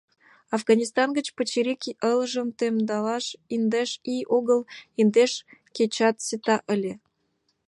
Афганистан гай пычырик элжым темдалаш индеш ий огыл, индеш кечат сита ыле...